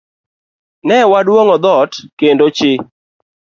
Ne waduong'o dhoot kendo chi